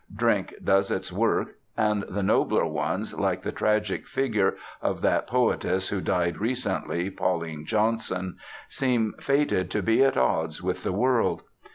Drink does its work. And the nobler ones, like the tragic figure of that poetess who died recently, Pauline Johnson, seem fated to be at odds with the world.